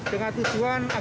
dengan tujuan agar